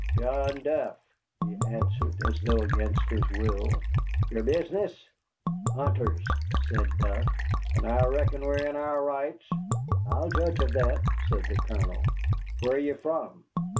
"John Duff," he answered, as though against his will. "Your business?" "Hunters," said Duff; "and I reckon we're in our rights." "I'll judge of that," said our Colonel. "Where are you from?"